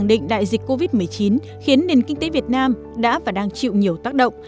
dịch covid một mươi chín khiến nền kinh tế việt nam đã và đang chịu nhiều tác động